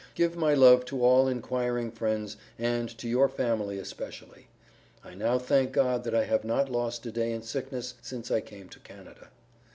Give my love to all inquiring friends and to your family especially. I now thank God that I have not lost a day in sickness since I came to Canada.